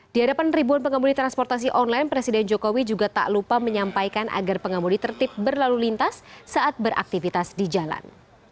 di hadapan ribuan pengemudi transportasi online presiden jokowi juga tak lupa menyampaikan agar pengemudi tertib berlalu lintas saat beraktivitas di jalan